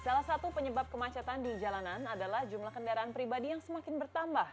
salah satu penyebab kemacetan di jalanan adalah jumlah kendaraan pribadi yang semakin bertambah